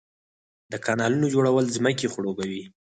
د کانالونو جوړول ځمکې خړوبوي.